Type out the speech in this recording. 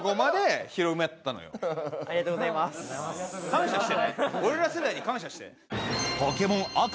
感謝してね。